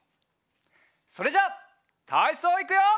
それじゃたいそういくよ。